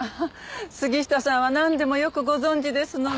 杉下さんはなんでもよくご存じですのねぇ。